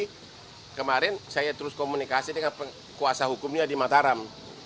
jadi kemarin saya terus komunikasi dengan kuasa hukumnya di mataram